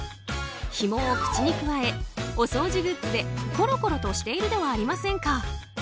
ひもを口でくわえお掃除グッズでコロコロとしているではありませんか。